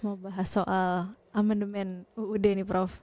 mau bahas soal amendement uud nih prof